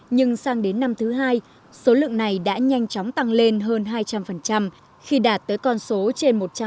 nhưng sang đến năm thứ hai số lượng này đã nhanh chóng tăng lên hơn hai trăm linh khi đạt tới con số trên một trăm linh